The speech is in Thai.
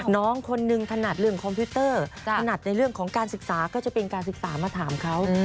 น้องคนนึงถนัดเรื่องคอมพิวเตอร์ถนัดในเรื่องของการศึกษาก็จะเป็นการศึกษามาถามเขา